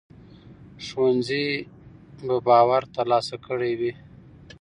ښوونځي به باور ترلاسه کړی وي.